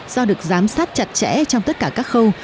do được giám sát chặt chẽ trong tất cả các khâu